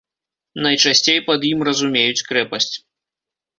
Найчасцей пад ім разумеюць крэпасць.